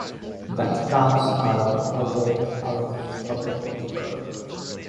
The accounts are ordered alphabetically.